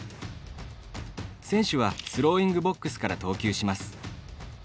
選手はスローイングボックスから投球します。